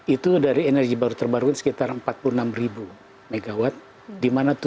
itu dari energi baru terbarukan sekitar empat puluh enam mw